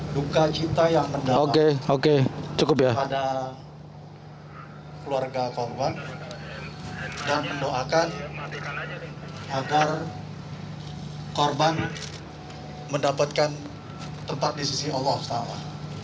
duka cita yang mendalam cukup pada keluarga korban dan mendoakan agar korban mendapatkan tempat di sisi allah swt